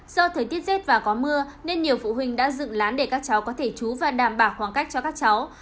do thời tiết rét và có mưa nên nhiều phụ huynh đã dựng lán để các cháu có thể chú và đảm bảo khoảng cách cho các cháu